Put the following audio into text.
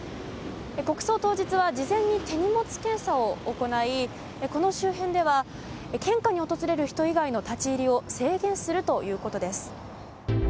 国葬当日は事前に手荷物検査場を行いこの周辺では献花に訪れる人以外の立ち入りを制限するということです。